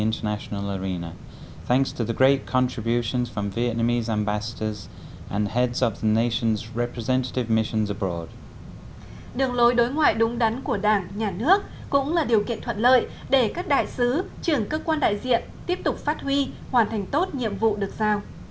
đường lối đối ngoại đúng đắn của đảng nhà nước cũng là điều kiện thuận lợi để các đại sứ trưởng cơ quan đại diện tiếp tục phát huy hoàn thành tốt nhiệm vụ được giao